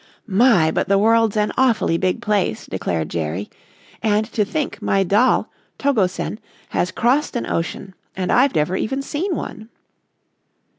"My, but the world's an awfully big place," declared Jerry, "and to think my doll, Togo Sen, has crossed an ocean and I've never even seen one."